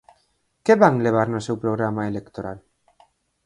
¿Que van levar no seu programa electoral?